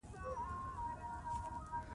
د مرکزي تهيم په حېث د نظر لاندې ساتلے شوې ده.